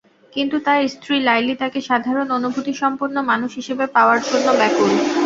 কিন্তু তার স্ত্রী লাইলী তাকে সাধারণ অনুভূতিসম্পন্ন মানুষ হিসেবে পাওয়ার জন্য ব্যাকুল।